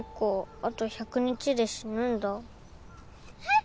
あと１００日で死ぬんだえっ！